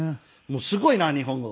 すごいな日本語。